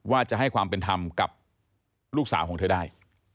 ว่าจะให้ความเป็นธรรมกับลูกสาวของเธอได้